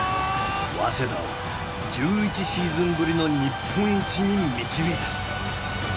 早稲田を１１シーズンぶりの日本一に導いた。